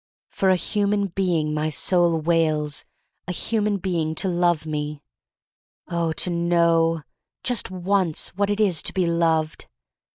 Oh, for a human being, my soul wails — a human being to love me! Oh, to know — ^just once — what it is to be loved!